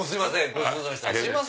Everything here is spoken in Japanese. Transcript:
ごちそうさまでした。